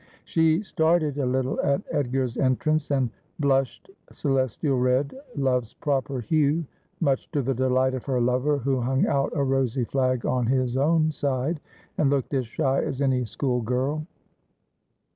She started a little at Edgar's entrance, and ' blushed celes tial red, love's proper hue,' much to the delight of her lover, who hung out a rosy flag on his own side, and looked as shy as any school girl.